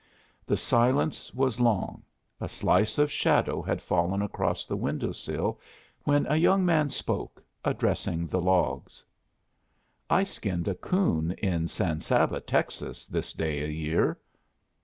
The silence was long; a slice of shadow had fallen across the window sill, when a young man spoke, addressing the logs: "I skinned a coon in San Saba, Texas, this day a year."